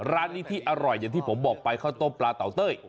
ร้านนี้ที่อร่อยอย่างที่ผมบอกไปข้าวต้มปลาเตาเต้ย